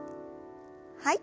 はい。